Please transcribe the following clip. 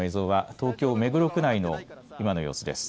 東京、目黒区内の今の様子です。